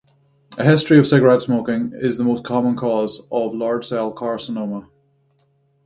A history of cigarette smoking is the most common cause of large cell carcinoma.